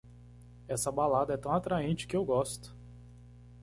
Essa balada é tão atraente que eu gosto!